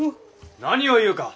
何を言うか！